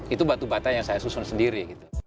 itu batu bata yang saya susun sendiri